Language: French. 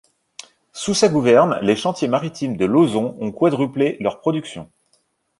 Sous sa gouverne, les chantiers maritimes de Lauzon ont quadruplé leur production.